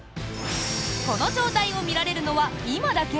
この状態を見られるのは今だけ？